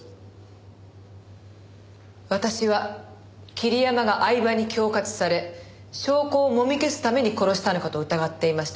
私は桐山が饗庭に恐喝され証拠をもみ消すために殺したのかと疑っていました。